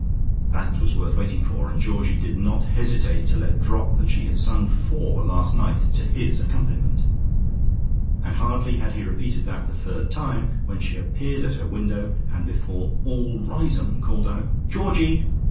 That was worth waiting for, and Georgie did not hesitate to let drop that she had sung four last night to his accompaniment. And hardly had he repeated that the third time, when she appeared at her window, and before all Riseholme called out "Georgie!"